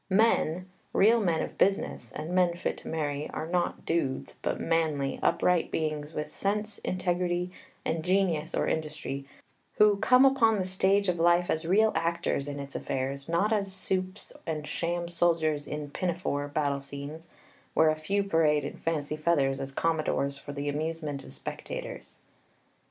Men, real men of business, and men fit to marry, are not dudes, but manly, upright beings, with sense, integrity, and genius or industry; who come upon the stage of life as real actors in its affairs, not as "supes" and sham soldiers in "Pinafore" battle scenes, where a few parade in fancy feathers as commodores for the amusement of spectators.